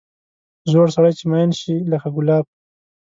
زوړ سړی چې مېن شي لکه ګلاب.